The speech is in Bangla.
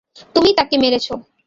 তুমিই তাকে মেরেছো।